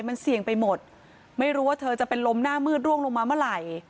มันเสี่ยงไปหมดไม่รู้ว่าเธอจะเป็นลมหน้ามืดร่วงลงมาเมื่อไหร่